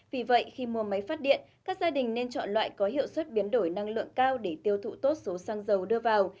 vì vậy khi mua máy phát điện các gia đình nên chọn loại có hiệu suất biến đổi năng lượng cao để tiêu thụ tốt số xăng dầu đưa vào